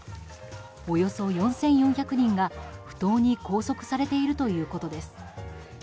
およそ４４００人が不当に拘束されているということです。